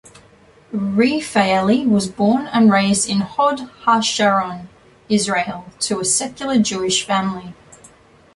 Refaeli was born and raised in Hod HaSharon, Israel, to a secular Jewish family.